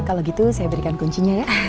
kalau gitu saya berikan kuncinya ya